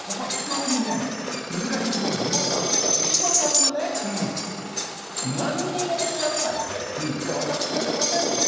ここは非常にね、これ、例えば、石破さんがね、なんにもおっしゃらないで、いや、私は出ませんと。